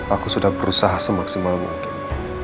aku sudah berusaha semaksimal mungkin